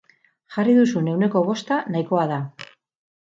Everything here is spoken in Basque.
Jarri duzun ehuneko bosta nahikoa da.